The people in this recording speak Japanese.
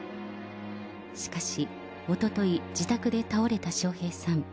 しかし、おととい、自宅で倒れた笑瓶さん。